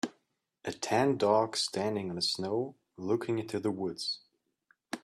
A tan dog standing on the snow looking into the woods.